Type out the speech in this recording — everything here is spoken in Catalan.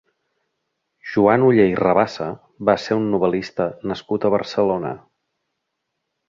Joan Oller i Rabassa va ser un novel·lista nascut a Barcelona.